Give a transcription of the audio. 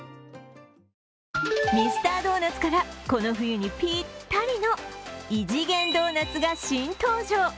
ミスタードーナツからこの冬にぴったりの異次元ドーナツが新登場。